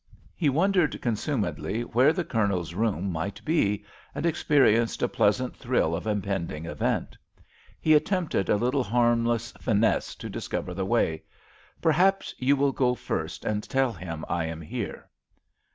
He wondered consumedly where the Colonel's room might be, and experienced a pleasant thrill of impending event. He attempted a little harmless finesse to discover the way. "Perhaps you will go first and tell him I am here."